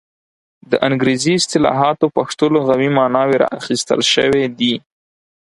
د انګریزي اصطلاحاتو پښتو لغوي ماناوې را اخیستل شوې دي.